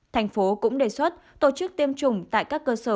thành phố cũng đề xuất tổ chức tiêm chủng tại các cơ sở